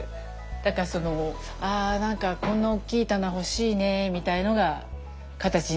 だからそのあなんかこんな大きい棚欲しいねみたいのが形になって。